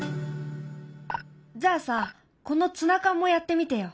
じゃあさこのツナ缶もやってみてよ。